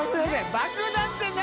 爆弾って何？